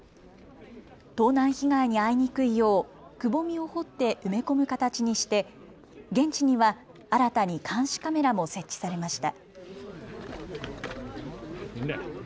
盗難被害に遭いにくいようくぼみを掘って埋め込む形にして現地には新たに監視カメラも設置されました。